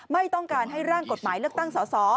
ไม่ต้องการให้ร่างกฎหมายเลือกตั้งสอสอ